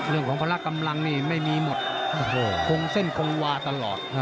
เรื่องของพลักษณ์กำลังนี่ไม่มีหมดโธ่โครงเส้นโครงวาตลอก